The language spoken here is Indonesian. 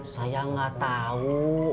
saya gak tahu